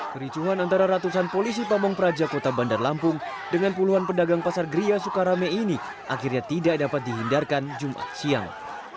kericuhan antara ratusan polisi pamung praja kota bandar lampung dengan puluhan pedagang pasar geria sukarame ini akhirnya tidak dapat dihindarkan jumat siang